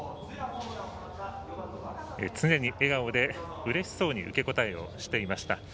常に笑顔でうれしそうに受け答えをしていました。